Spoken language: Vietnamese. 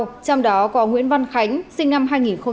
trong đó có nguyễn văn khánh sinh năm hai nghìn